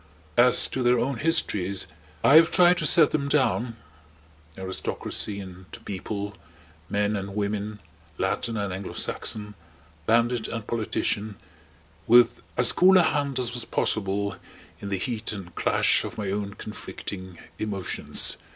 As to their own histories I have tried to set them down, Aristocracy and People, men and women, Latin and Anglo Saxon, bandit and politician, with as cool a hand as was possible in the heat and clash of my own conflicting emotions.